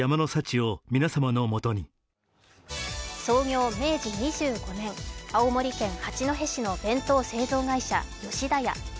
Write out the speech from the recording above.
創業明治２５年、青森県八戸市の弁当製造会社、吉田屋。